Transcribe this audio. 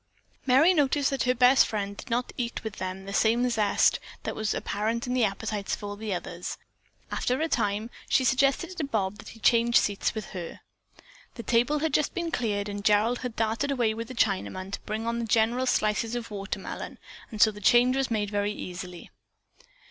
Merry noticed that her best friend did not eat with the same zest that was very apparent in the appetites of all the others, and, after a time, she suggested to Bob that he change seats with her. The table had just been cleared and Gerald had darted away with the Chinaman to bring on the generous slices of watermelon, and so the change was made very easily.